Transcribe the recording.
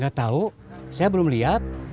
gak tau saya belum lihat